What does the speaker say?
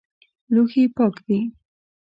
لوښي پاک دي؟